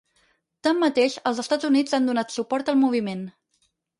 Tanmateix, els Estats Units han donat suport al moviment.